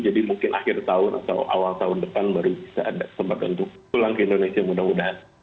jadi mungkin akhir tahun atau awal tahun depan baru bisa ada sempat untuk pulang ke indonesia mudah mudahan